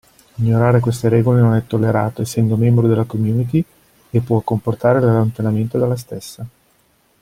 Ignorare queste regole non è tollerato essendo membro della community e può comportare l'allontanamento dalla stessa.